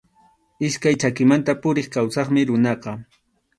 Iskay chakimanta puriq kawsaqmi runaqa.